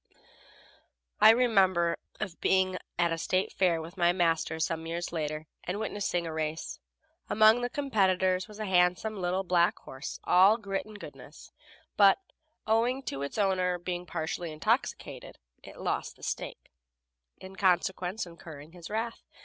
I remember of being at a State fair with my master some years later, and witnessing a race. Among the competitors was a handsome little black horse, all grit and goodness, but, owing to its owner being partly intoxicated, it lost the stake, in consequence incurring his wrath.